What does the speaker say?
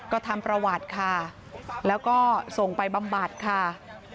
ก็ทำประวัติค่ะแล้วก็ส่งไปบำบัดค่ะ